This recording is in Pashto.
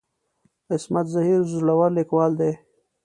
عصمت زهیر زړور ليکوال دی.